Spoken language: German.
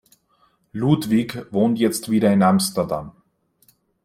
Ludwig wohnt jetzt wieder in Amsterdam.